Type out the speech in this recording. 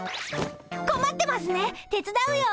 こまってますね手伝うよ。